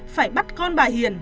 phải bắt con bà hiền